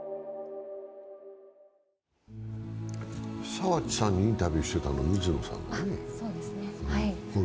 澤地さんにインタビューしてたの水野さんだね。